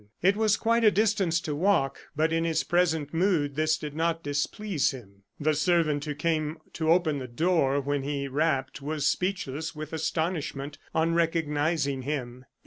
It was quite a distance to walk; but in his present mood this did not displease him. The servant who came to open the door when he rapped, was speechless with astonishment on recognizing him.